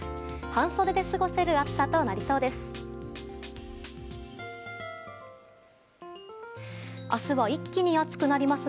半袖で過ごせる暑さとなりそうです。